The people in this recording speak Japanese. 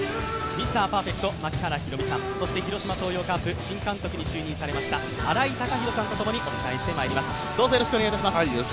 ミスターパーフェクト、槙原寛己さん、そして広島東洋カープ新監督に就任されました新井貴浩さんとともにお伝えしてまいります。